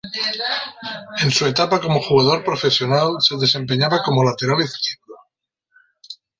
En su etapa como jugador profesional se desempeñaba como lateral izquierdo.